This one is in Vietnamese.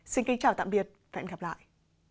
xin kính chào tạm biệt và hẹn gặp lại